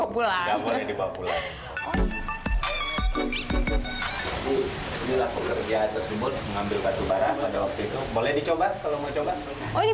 boleh dipegang gak pak ya